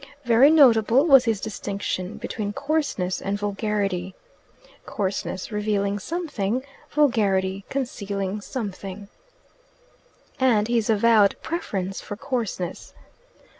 Very notable was his distinction between coarseness and vulgarity (coarseness, revealing something; vulgarity, concealing something), and his avowed preference for coarseness.